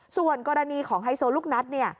ส่วนกรณีของไฮโซลูกนัด